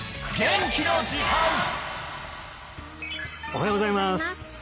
おはようございます